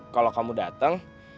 kalau kamu dateng